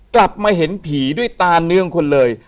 กลับมาเห็นผีด้วยตาเนื่องคนเลย